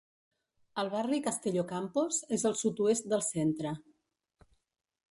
El barri Kastellokampos és al sud-oest del centre.